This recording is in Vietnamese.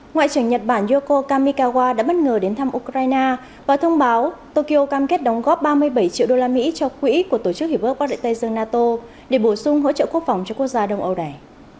ngoại trưởng nhật bản yoko kamikawa đã bất ngờ đến thăm ukraine và thông báo tokyo cam kết đóng góp ba mươi bảy triệu đô la mỹ cho quỹ của tổ chức hiệp ước quá đại tây dương nato để bổ sung hỗ trợ quốc phòng cho quốc gia đông âu này